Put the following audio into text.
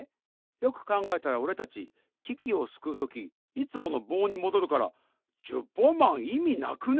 よくかんがえたらおれたちききをすくうときいつものぼうにもどるから１０本マンいみなくね？